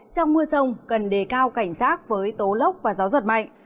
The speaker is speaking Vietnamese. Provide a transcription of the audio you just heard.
trong mưa rông cần đề cao cảnh giác với tố lốc và gió giật mạnh